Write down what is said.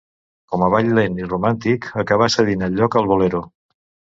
Com a ball lent i romàntic, acabà cedint el lloc al bolero.